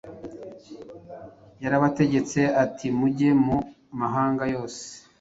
Yarabategetse ati, “Mujye mu mahanga yose.